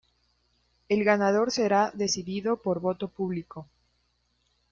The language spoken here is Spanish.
El ganador será decidido por voto público.